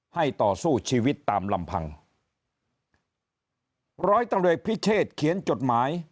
ต่อสู้ชีวิตตามลำพังร้อยตำรวจพิเชษเขียนจดหมาย